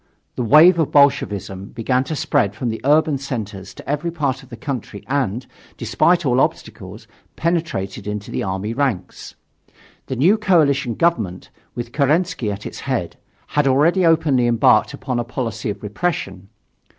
The wave of Bolshevism began to spread from the urban centers to every part of the country and, despite all obstacles, penetrated into the army ranks. The new coalition government, with Kerensky at its head, had already openly embarked upon a policy of repression.